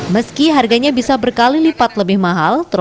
meski harganya bisa berkali lipat lebih mahal